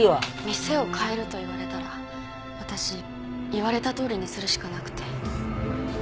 店を変えると言われたら私言われたとおりにするしかなくて。